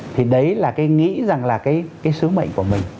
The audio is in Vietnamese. thì đấy là cái nghĩ rằng là cái sứ mệnh của mình